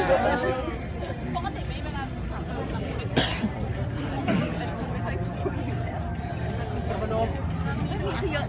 แม่กับผู้วิทยาลัย